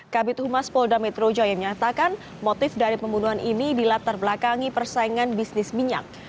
kabit humas polda metro jaya menyatakan motif dari pembunuhan ini dilatar belakangi persaingan bisnis minyak